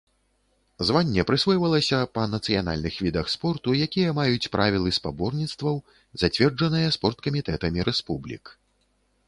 Званне прысвойвалася па нацыянальных відах спорту, якія маюць правілы спаборніцтваў, зацверджаныя спорткамітэтамі рэспублік.